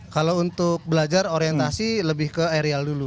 kalau untuk belajar orientasi lebih ke aerial dulu